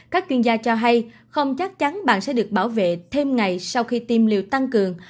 các chuyên gia cho hay không chắc chắn bạn sẽ được bảo vệ thêm ngày sau khi tiêm liều tăng cường